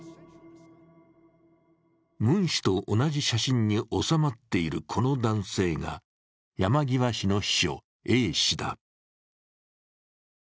ムン氏と同じ写真におさまっているこの男性が山際氏の秘書、Ａ氏だ。